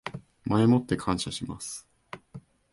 前もって感謝します